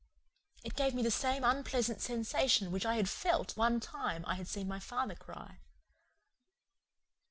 It gave me the same unpleasant sensation which I had felt one time when I had seen my father cry.